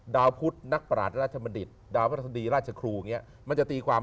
ดาวพุทธนักประหลาดราชบรรดิดาวพระศนีย์ราชครูเงี้ยมันจะตีความ